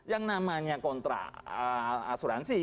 yang namanya kontrak asuransi